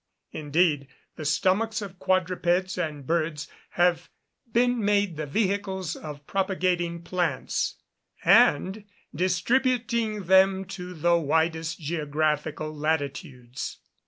Indeed, the stomachs of quadrupeds and birds have been made the vehicles of propagating plants, and distributing them to the widest geographical latitudes.